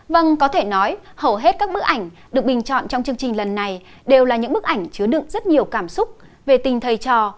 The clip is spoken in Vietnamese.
vâng có thể nói hầu hết các bức ảnh được bình chọn trong chương trình lần này đều là những bức ảnh chứa đựng rất nhiều cảm xúc về tình thầy trò